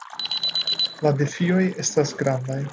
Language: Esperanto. La defioj estas grandaj.